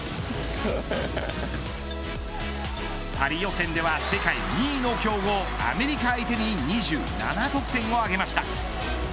パリ予選では世界２位の強豪アメリカ相手に２７得点を挙げました。